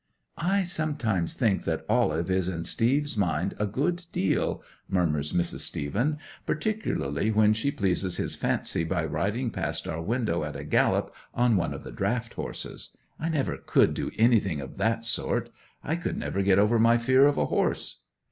'"I sometimes think that Olive is in Steve's mind a good deal," murmurs Mrs. Stephen; "particularly when she pleases his fancy by riding past our window at a gallop on one of the draught horses ... I never could do anything of that sort; I could never get over my fear of a horse."